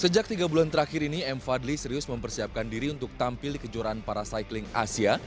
sejak tiga bulan terakhir ini m fadli serius mempersiapkan diri untuk tampil di kejuaraan para cycling asia